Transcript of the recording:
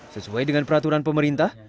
sesuai dengan peraturan pemerintah